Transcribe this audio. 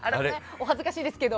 お恥ずかしいですけど。